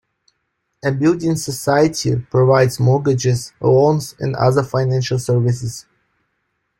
A building society provides mortgages, loans and other financial services